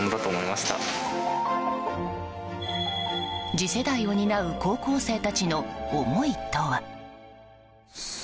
次世代を担う高校生たちの思いとは？